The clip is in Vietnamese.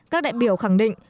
các đại biểu khẳng định